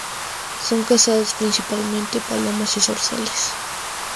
Son cazados principalmente palomas y zorzales.